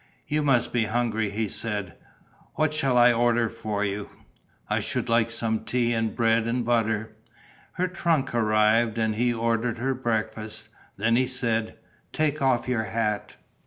"You must be hungry," he said. "What shall I order for you?" "I should like some tea and bread and butter." Her trunk arrived; and he ordered her breakfast. Then he said: "Take off your hat."